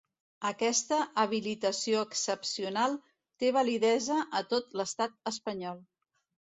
Aquesta habilitació excepcional té validesa a tot l'Estat espanyol.